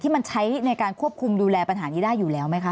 มันใช้ในการควบคุมดูแลปัญหานี้ได้อยู่แล้วไหมคะ